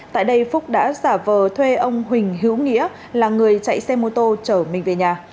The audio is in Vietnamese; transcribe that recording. tại đây phúc đã giả vờ thuê ông huỳnh hữu nghĩa là người chạy xe mô tô chở mình về nhà